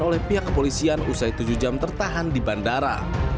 oleh pihak kepolisian usai tujuh jam tertahan di bandara